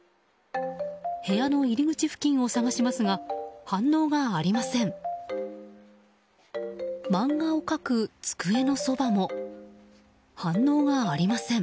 部屋の入り口付近を探しますが反応がありません。